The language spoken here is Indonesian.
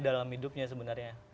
dalam hidupnya sebenarnya